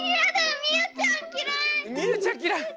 みゆちゃんきらい。